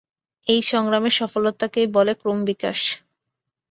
এই সংগ্রামে সফলতাকেই বলে ক্রমবিকাশ।